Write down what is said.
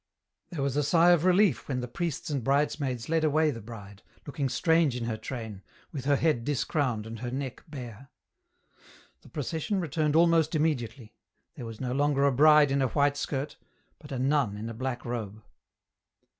There was a sigh of relief when the priests and brides maids led away the bride, looking strange in her train, with her head discrowned and her neck bare. The procession returned almost immediately. There I06 EN ROUTE. was no longer a bride in a white skirt, but a nun in a black robe.